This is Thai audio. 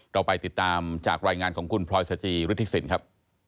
เราไปติดตามจากรายงานของคุณพลอยสจิฤทธิสินครับ